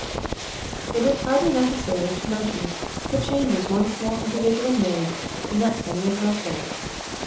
It is hardly necessary to mention the changes one small individual made in that feminine household.